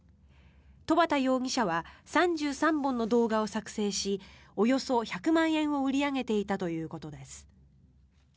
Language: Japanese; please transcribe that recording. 戸畑容疑者は３３本の動画を作成しおよそ１００万円を売り上げていたということです。